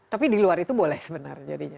tapi di luar itu boleh sebenarnya jadinya